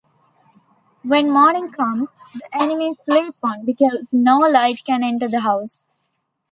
When morning comes, the enemies sleep on, because no light can enter the house.